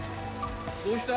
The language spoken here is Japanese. どうした？